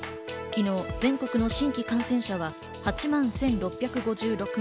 昨日、全国の新規感染者は８万１６５６人。